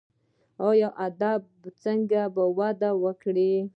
ادب باید څنګه وده وکړي؟